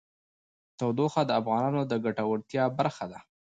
تودوخه د افغانانو د ګټورتیا برخه ده.